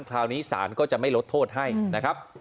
คราวนี้ศาลก็จะไม่ลดโทษให้นะครับ